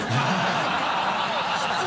ハハハ